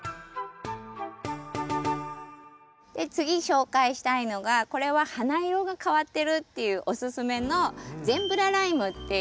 次紹介したいのがこれは花色が変わってるっていうおすすめのゼンブラライムっていう品種になります。